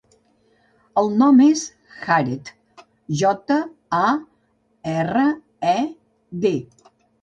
El nom és Jared: jota, a, erra, e, de.